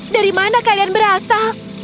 dari mana kalian berasa